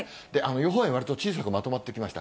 予報円、わりと小さくまとまってきました。